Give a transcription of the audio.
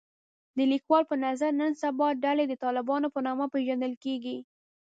د لیکوال په نظر نن سبا ډلې د طالبانو په نامه پېژندل کېږي